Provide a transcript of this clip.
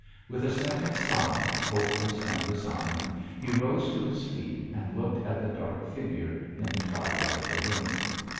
With a second sigh, hopeless and resigned, he rose to his feet, and looked at the dark figure in the twilight of the room.